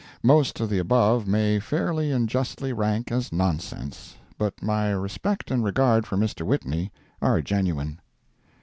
Most of the above may fairly and justly rank as nonsense, but my respect and regard for Mr. Whitney are genuine.